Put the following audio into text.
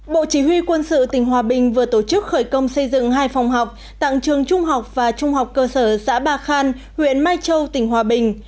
bộ chỉ huy quân sự tỉnh hòa bình vừa tổ chức khởi công xây dựng hai phòng học tặng trường trung học và trung học cơ sở xã ba khan huyện mai châu tỉnh hòa bình